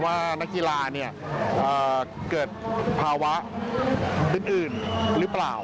ว่านักกีฬาเกิดภาวะอื่นหรือเปล่า